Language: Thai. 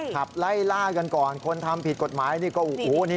ขับไล่ล่ากันก่อนคนทำผิดกฎหมายนี่ก็โอ้โหนี่